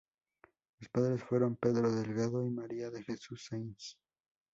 Sus padres fueron Pedro Delgado y María de Jesús Sáinz.